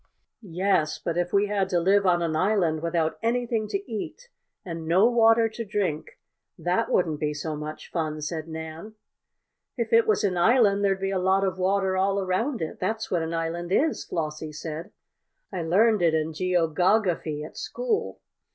"Yes, but if we had to live on an island without anything to eat and no water to drink, that wouldn't be so much fun," said Nan. "If it was an island there'd be a lot of water all around it that's what an island is," Flossie said. "I learned it in geogogafy at school.